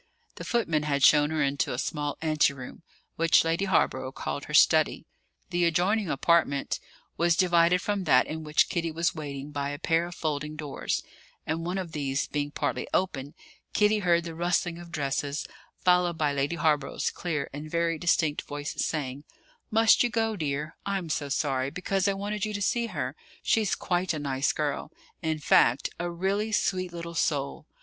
The footman had shown her into a small ante room, which Lady Hawborough called her "study"; the adjoining apartment was divided from that in which Kitty was waiting by a pair of folding doors, and, one of these being partly open, Kitty heard the rustling of dresses, followed by Lady Hawborough's clear and very distinct voice saying: "Must you go, dear? I'm so sorry, because I wanted you to see her. She's quite a nice girl in fact, a really sweet little soul.